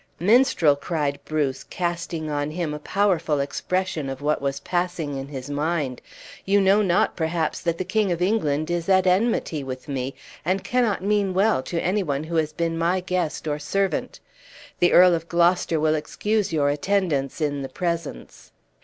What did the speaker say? "Minstrel!" replied Bruce, casting on him a powerful expression of what was passing in his mind, "you know not, perhaps that the King of England is at enmity with me, and cannot mean well to any one who has been my guest, or servant! The Earl of Gloucester will excuse your attendance in the presence."